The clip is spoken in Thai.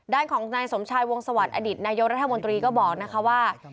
ด้านของนายสมชายวงสวัสดินายกรัฐมนตรีก็บอกนะคะว่า